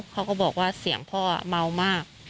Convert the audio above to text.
เขาก็บอกว่าเสียงพ่อเมามาก